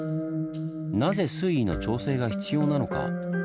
なぜ水位の調整が必要なのか？